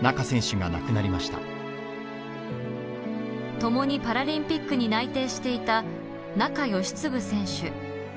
ともにパラリンピックに内定していた仲喜嗣選手。